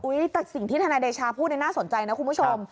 แต่สิ่งที่ทนายเดชาพูดน่าสนใจนะคุณผู้ชม